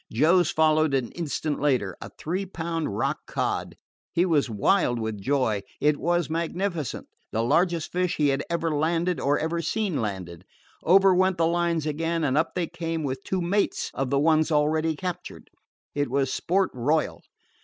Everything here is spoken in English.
Joe's followed an instant later a three pound rock cod. He was wild with joy. It was magnificent the largest fish he had ever landed or ever seen landed. Over went the lines again, and up they came with two mates of the ones already captured. It was sport royal.